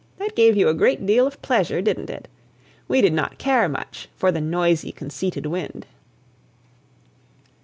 That gave you a great deal of pleasure, didn't it? We did not care much for the noisy, conceited wind.